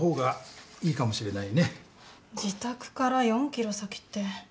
自宅から４ｋｍ先って。